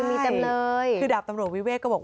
ฟังเสียงดาบตำรวจวิเวกันหน่อยค่ะ